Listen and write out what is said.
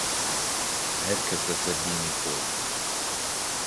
هەرکەس لەسەر دینی خۆی!